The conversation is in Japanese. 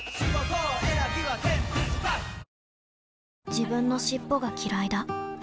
自分の尻尾がきらいだ